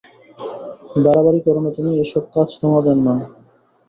বাড়াবাড়ি কোরো না তুমি, এ-সব কাজ তোমাদের নয়।